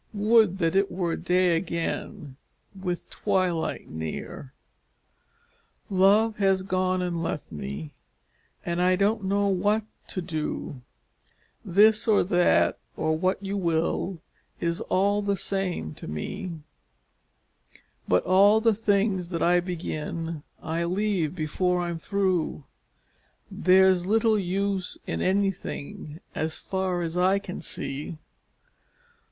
Would that it were day again! with twilight near! Love has gone and left me and I don't know what to do; This or that or what you will is all the same to me; But all the things that I begin I leave before I'm through, There's little use in anything as far as I can see.